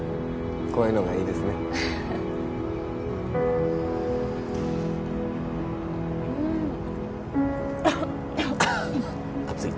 こういうのがいいですねうん熱い？